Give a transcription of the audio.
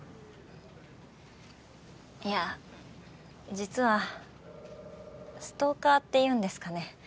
いや実はストーカーっていうんですかね？